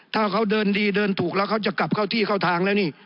ถ้าเขาเดินดีเดินถูกแล้วเขาจะกลับเข้าที่เข้าทางแล้วนี่